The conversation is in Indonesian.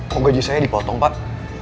kok gaji saya dipotong pak